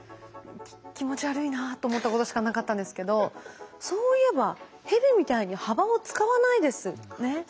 気持ち悪いなと思ったことしかなかったんですけどそういえば蛇みたいに幅を使わないですね。